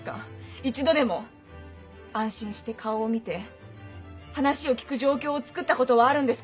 一度でも安心して顔を見て話を聞く状況をつくったことはあるんですか？